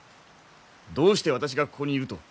どうして私がここにいると？